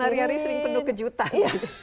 dan hari hari sering penuh kejutan ya